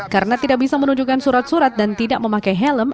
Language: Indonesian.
karena tidak bisa menunjukkan surat surat dan tidak memakai helm